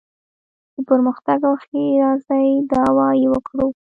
د پرمختګ او ښېرازۍ دعوا یې وکړو.